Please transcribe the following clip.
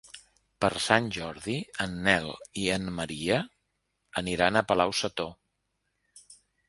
Per Sant Jordi en Nel i en Maria aniran a Palau-sator.